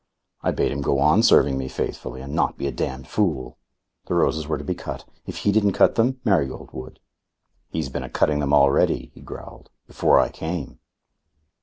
I bade him go on serving me faithfully and not be a damned fool. The roses were to be cut. If he didn't cut them, Marigold would. "He's been a cutting them already," he growled. "Before I came."